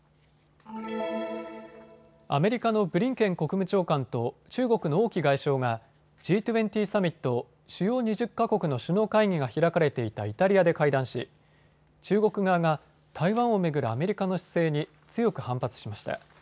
アメリカのブリンケン国務長官と中国の王毅外相がＧ２０サミット・主要２０か国の首脳会議が開かれていたイタリアで会談し中国側が台湾を巡るアメリカの姿勢に強く反発しました。